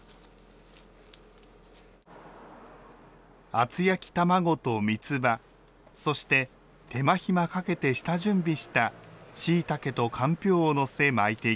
厚焼き卵とみつばそして手間暇かけて下準備したしいたけとかんぴょうをのせ巻いていきます。